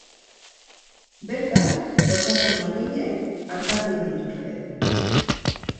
Bertan, osasun langileek artatu egin dituzte.